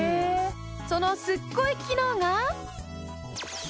そのすっごい機能が。